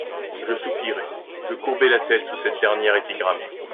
Je soupirai, je courbai la tête sous cette dernière épigramme.